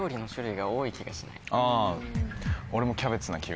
あ俺もキャベツな気がする。